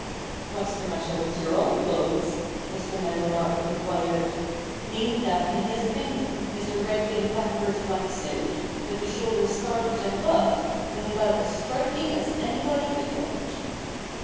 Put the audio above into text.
"What's the matter with your own clothes?" Mr. Meadowlark inquired meaning that in his opinion Mr. Red winged Blackbird's black suit, with the shoulders scarlet and buff, was about as striking as anybody could want.